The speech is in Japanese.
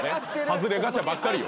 外れガチャばっかり。